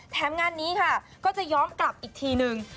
แถมงานนี้ค่ะก็จะย้อนกลับอีกทีนึง